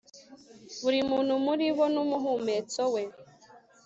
buri muntu muri bo n'umuhumetso we